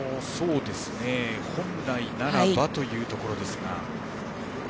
本来ならばというところですが。